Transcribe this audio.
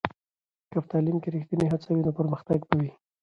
که په تعلیم کې ریښتینې هڅه وي، نو پرمختګ به وي.